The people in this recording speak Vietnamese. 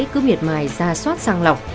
cứ miệt mài ra soát sang lọc